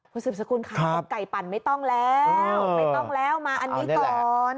คุณสืบสกุลค่ะไก่ปั่นไม่ต้องแล้วไม่ต้องแล้วมาอันนี้ก่อน